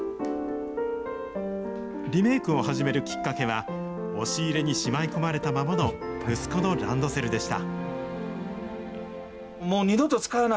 リメイクを始めるきっかけは、押し入れにしまい込まれたままの息子のランドセルでした。